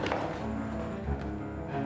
apa yang akan kamu lakukan haris